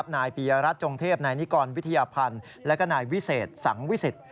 นายปียรัฐจงเทพนายนิกรวิทยาพันธ์และก็นายวิเศษสังวิสิต